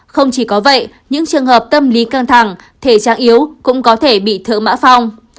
không chỉ có vậy những trường hợp tâm lý căng thẳng thể trạng yếu cũng có thể bị thở mã phòng